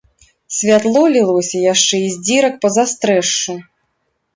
Святло лілося яшчэ і з дзірак па застрэшшу.